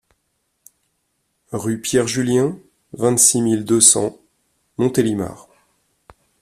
Rue Pierre Julien, vingt-six mille deux cents Montélimar